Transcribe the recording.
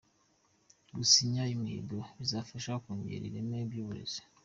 Gusinya imihigo bizafasha kongera ireme ry’uburezi